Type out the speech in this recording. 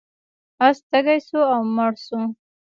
اس تږی شو او مړ شو.